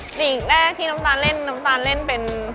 สติดีอีกแรกที่น้ำตาลเล่นน้ำตาลเป็น